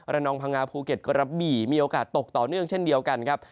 นองพังงาภูเก็ตกระบี่มีโอกาสตกต่อเนื่องเช่นเดียวกันครับ